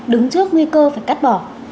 đứng trước nguy cơ phải cắt bỏ